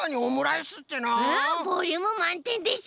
ボリュームまんてんでしょ！